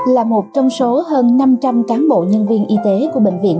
là một trong số hơn năm trăm linh cán bộ nhân viên y tế của bình thuận